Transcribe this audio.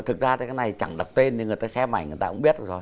thực ra cái này chẳng đặt tên nên người ta xem ảnh người ta cũng biết rồi